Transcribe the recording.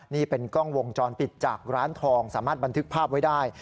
นี่เป็นกล้องวงจรปิดจากร้านทองสามารถบันทึกภาพไว้ได้